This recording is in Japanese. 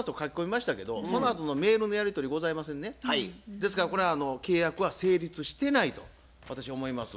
ですからこれは契約は成立してないと私思います。